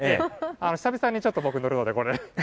久々にちょっと僕乗るので。